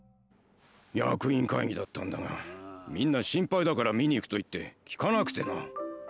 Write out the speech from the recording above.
役員会議だったんだがみんな心配だから見に行くといって聞かなくてな。